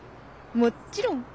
もっちろん。